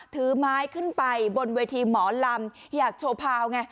ถือไม้ขึ้นไปบนเวทีหมอลำอยากโชว์พาวไง